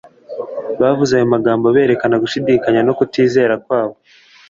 Bavuze ayo magambo berekana gushidikanya no kutizera kwabo.